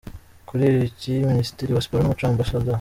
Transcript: Kuri iki, Minisitiri wa Siporo n’umuco Amb.